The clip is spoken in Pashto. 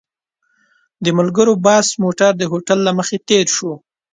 د ملګرو بس موټر د هوټل له مخې تېر شو.